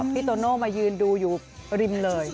พี่โตโน่มายืนดูอยู่ริมเลย